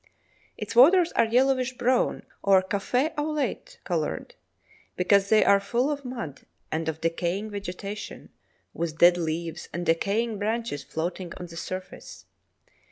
Its waters are yellowish brown or café au lait coloured, because they are full of mud and of decaying vegetation, with dead leaves and decaying branches floating on the surface.